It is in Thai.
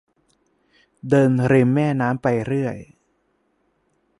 เดินริมแม่น้ำไปเรื่อย